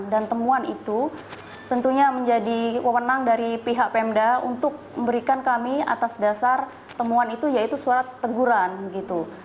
dan temuan itu tentunya menjadi kemenang dari pihak pemda untuk memberikan kami atas dasar temuan itu yaitu surat teguran gitu